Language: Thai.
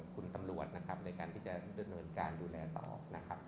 คุณตำรวจนะครับในการที่จะดำเนินการดูแลต่อนะครับ